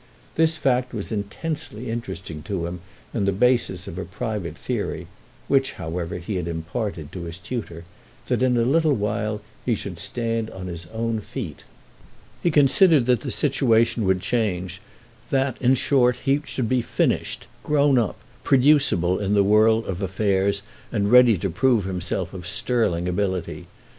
This fact was intensely interesting to him and the basis of a private theory—which, however, he had imparted to his tutor—that in a little while he should stand on his own feet. He considered that the situation would change—that in short he should be "finished," grown up, producible in the world of affairs and ready to prove himself of sterling ability.